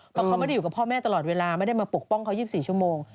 เพราะเขาไม่ได้อยู่กับพ่อแม่ตลอดเวลาไม่ได้มาปกป้องเขา๒๔ชั่วโมง